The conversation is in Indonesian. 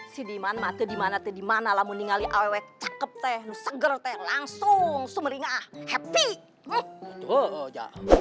si diman mah ke dimana kemana lah mendingan awet awet cakep seger langsung sumeringah happy